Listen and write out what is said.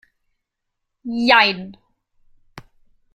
Jein.